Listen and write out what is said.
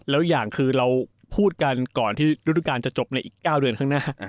แล้วอย่างคือเราพูดกันก่อนที่ฤดูการจะจบในอีก๙เดือนข้างหน้า